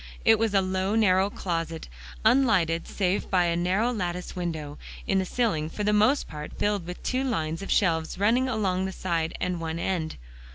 It was a low narrow closet, unlighted save by a narrow latticed window, in the ceiling, for the most part filled with two lines of shelves running along the side and one end.